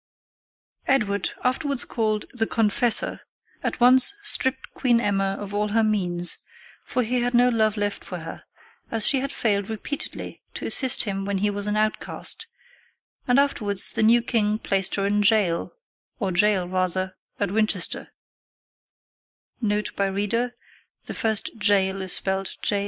] Edward, afterwards called "the Confessor," at once stripped Queen Emma of all her means, for he had no love left for her, as she had failed repeatedly to assist him when he was an outcast, and afterwards the new king placed her in jail (or gaol, rather) at Winchester.